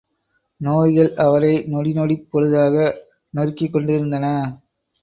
நோய்கள் அவரை நொடி நொடிப் பொழுதாக நொறுக்கிக் கொண்டிருந்தன.